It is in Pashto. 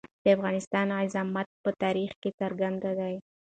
د افغانستان عظمت په تاریخ کې څرګند دی.